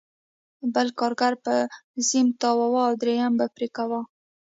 بل کارګر به سیم تاواوه او درېیم به پرې کاوه